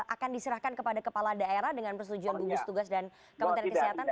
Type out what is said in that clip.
akan diserahkan kepada kepala daerah dengan persetujuan gugus tugas dan kementerian kesehatan